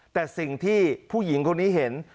แต่สิ่งที่ผู้หญิงคนนี้เห็น